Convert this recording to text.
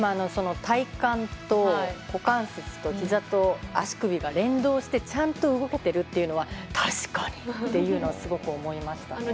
体幹と股関節とひざと足首が連動してちゃんと動けてるというのは確かにというのはすごく思いました。